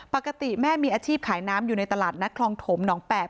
ปกติแม่มีอาชีพขายน้ำอยู่ในตลาดนัดคลองถมหนองแปบ